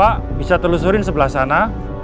pak bisa telusurin sebelah sana